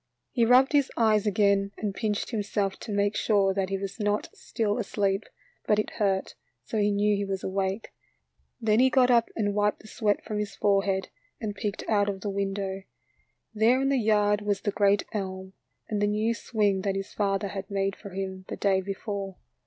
He rubbed his eyes again and pinched him self to make sure that he was not still asleep, but it hurt, so he knew he was awake. Then he got up and wiped the sweat from his forehead and peeked out of the window. There in the yard was the great elm and the new swing that his father had made for him the day before.